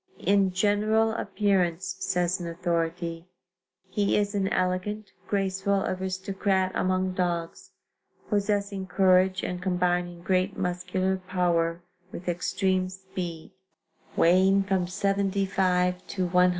"In general appearance" says an authority, "he is an elegant, graceful aristocrat among dogs, possessing courage and combining great muscular power with extreme speed, weighing from 75 to 105 pounds."